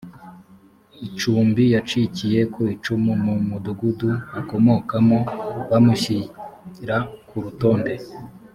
icumbi yacikiye ku icumu mu mudugudu akomokamo bamushyira ku rutonde